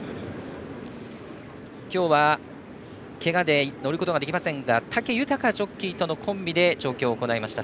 今日は、けがで乗ることができませんが武豊ジョッキーとのコンビで調教を行いました。